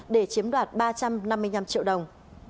để chiếm đoạt ba trăm năm mươi năm triệu đồng